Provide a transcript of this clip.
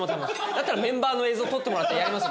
だったらメンバーの映像撮ってもらってやります。